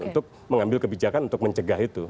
untuk mengambil kebijakan untuk mencegah itu